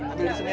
ambil disini aja